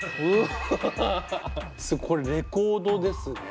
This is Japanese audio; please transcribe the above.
これレコードですね。